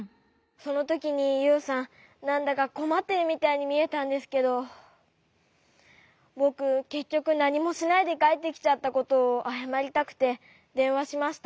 そのときにユウさんなんだかこまっているみたいにみえたんですけどぼくけっきょくなにもしないでかえってきちゃったことをあやまりたくてでんわしました。